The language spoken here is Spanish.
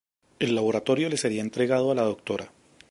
El laboratorio le seria entregado a la Dra.